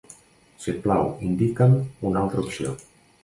Si et plau, indica'm una altra opció.